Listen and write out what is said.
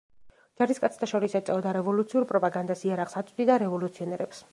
ჯარისკაცთა შორის ეწეოდა რევოლუციურ პროპაგანდას, იარაღს აწვდიდა რევოლუციონერებს.